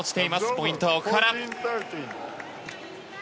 ポイントは奥原。